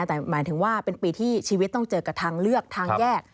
แต่หมายถึงว่าเป็นปีที่ชีวิตต้องเจอกับทางเลือกทางแยก